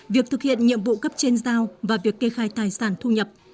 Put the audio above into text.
việc thực hiện nhiệm vụ cấp trên giao và việc kê khai tài sản thu nhập